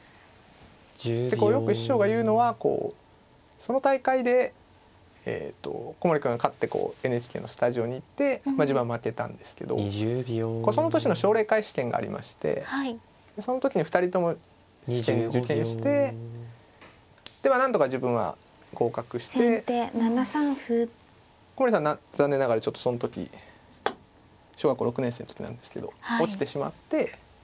よく師匠が言うのはこうその大会で古森君が勝ってＮＨＫのスタジオに行ってまあ自分は負けたんですけどその年の奨励会試験がありましてその時に２人とも試験に受験してなんとか自分は合格して古森さん残念ながらちょっとその時小学校６年生の時なんですけど落ちてしまって。